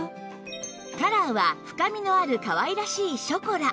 カラーは深みのあるかわいらしいショコラ